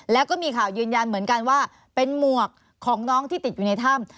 แล้วก็มีข่าวยืนยันเหมือนกันว่าเป็นหมวกของน้องที่ติดอยู่ในถ้ำ